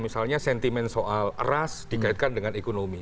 misalnya sentimen soal ras dikaitkan dengan ekonomi